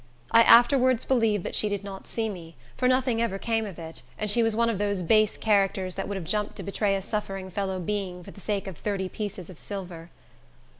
I afterwards believed that she did not see me; for nothing ever came of it, and she was one of those base characters that would have jumped to betray a suffering fellow being for the sake of thirty pieces of silver.